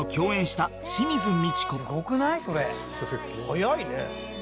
「早いね」